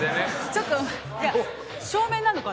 ちょっといや照明なのかな？